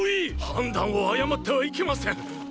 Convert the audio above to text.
判断を誤ってはいけません王子！